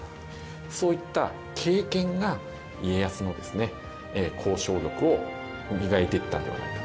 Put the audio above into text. そういった経験が家康の交渉力を磨いていったんではないかというふうに思います。